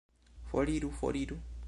Foriru! Foriru!